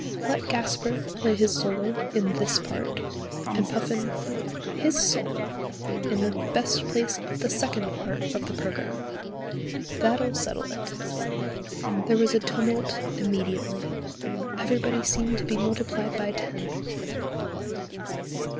Let Gasper play his solo in this part, and Puffin his solo in the best place of the second part of the programme. That'll settle it." There was a tumult immediately; everybody seemed to be multiplied by ten.